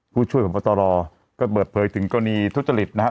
ผู้ช่วยของประตรก็เปิดเผยถึงกรณีทุจริตนะฮะ